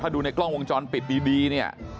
ถ้าดูในกล้องวงจอนปิดดีนี่